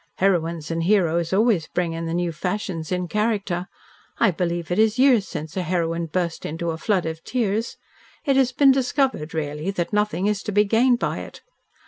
Heroines and heroes always bring in the new fashions in character. I believe it is years since a heroine 'burst into a flood of tears.' It has been discovered, really, that nothing is to be gained by it.